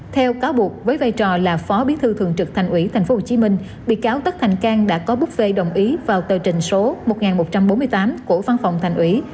theo cáo buộc với vai trò là phó bí thư thường trực thành ủy tp hcm bị cáo tất thành cang đã có bút phê đồng ý vào tờ trình số một nghìn một trăm bốn mươi tám của văn phòng thành ủy